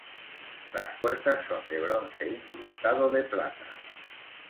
Las puertas son de bronce incrustado de plata.